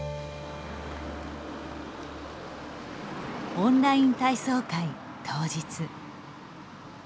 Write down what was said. オンライン体操会、当日。